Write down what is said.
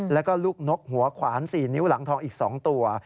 แล้วก็ลูกนกหัวขวาน๔นิ้วหลังทองอีก๒ตัว